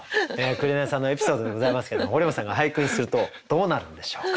紅さんのエピソードでございますけど堀本さんが俳句にするとどうなるんでしょうか。